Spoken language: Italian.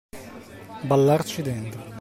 Ballarci dentro.